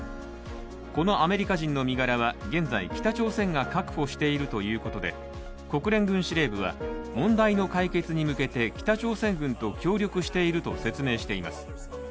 このアメリカ人の身柄は現在北朝鮮が確保しているということで、国連軍司令部は問題の解決に向けて北朝鮮軍と協力していると説明しています。